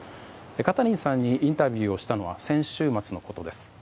カタリンさんにインタビューしたのは先週末のことです。